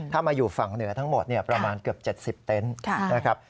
ถ้ามาอยู่ฝั่งเหนือทั้งหมดประมาณเกือบ๗๐เต็นต์นะครับ